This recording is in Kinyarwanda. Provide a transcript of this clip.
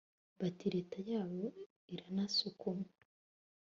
Bati Leta yabo iranasukuma